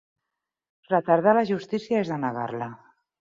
Retardar la justícia és denegar-la.